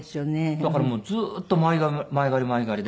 だからもうずっと前借り前借りで。